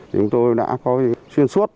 chúng tôi đã có chuyên suốt